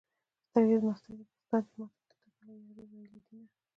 سترګې زما سترګې دا ستا دي ما تا ته کله د يارۍ ویلي دینه